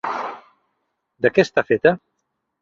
De què està feta?